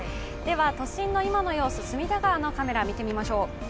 都心の今の様子、隅田川のカメラ見てみましょう。